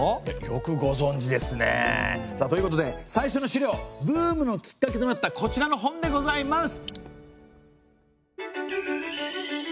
よくご存じですね。ということで最初の資料ブームのきっかけとなったこちらの本でございます。